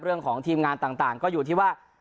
เรื่องของทีมงานต่างก็อยู่ที่ว่า